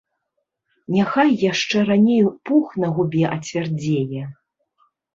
Няхай яшчэ раней пух на губе ацвярдзее.